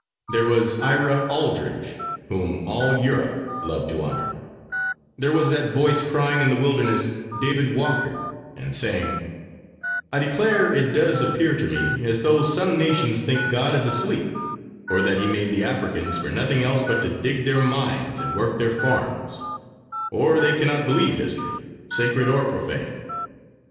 There was Ira Aldridge, whom all Europe loved to honor; there was that Voice crying in the Wilderness, David Walker, and saying: "I declare it does appear to me as though some nations think God is asleep, or that he made the Africans for nothing else but to dig their mines and work their farms, or they cannot believe history, sacred or profane.